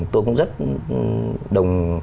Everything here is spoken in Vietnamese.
tôi cũng rất